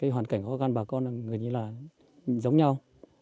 hoàn cảnh khó khăn bà con gần như là giống nhau